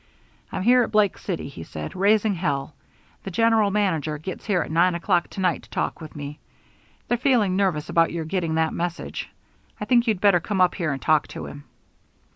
"I'm here at Blake City," he said, "raising hell. The general manager gets here at nine o'clock to night to talk with me. They're feeling nervous about your getting that message. I think you'd better come up here and talk to him."